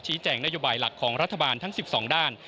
แจ้งนโยบายหลักของรัฐบาลทั้ง๑๒ด้าน